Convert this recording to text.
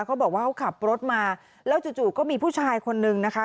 เขาบอกว่าเขาขับรถมาแล้วจู่ก็มีผู้ชายคนนึงนะคะ